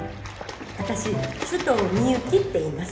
私首藤ミユキっていいます。